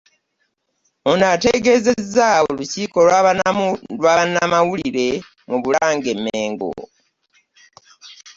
Ono ategeezezza olukiiko lwa bannamawulire mu Bulange e Mmengo